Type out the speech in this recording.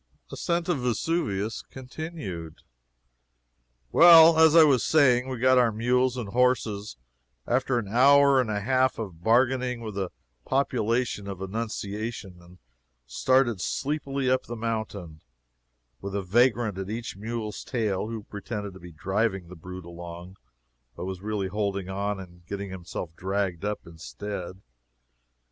ASCENT OF VESUVIUS CONTINUED. Well, as I was saying, we got our mules and horses, after an hour and a half of bargaining with the population of Annunciation, and started sleepily up the mountain, with a vagrant at each mule's tail who pretended to be driving the brute along, but was really holding on and getting himself dragged up instead.